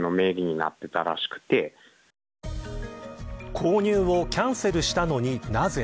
購入をキャンセルしたのになぜ。